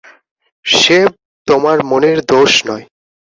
সে তোমার মনের দোষ নয়।